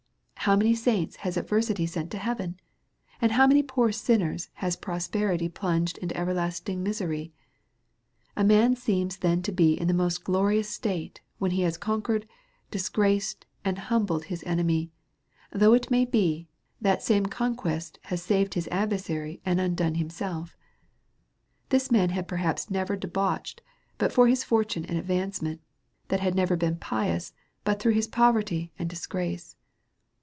How many saints has adversity sent to heaven ! And how many poor sinners has prosperity plunged into everlasting misery ! A man seems then to be in the most glorious state, when he has conquered, disgra ced, and liumbled his enemy ; tliough it may be, tliat same conquest has saved his adversary and undone himself. This m^n had perhaps never been debauched, but for his fortune and advar.cenient ; that had never been pious, but through his poverty and disgrace.